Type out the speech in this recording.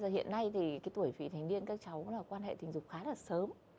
hiện nay thì tuổi phị thành niên các cháu quan hệ tình dục khá là sớm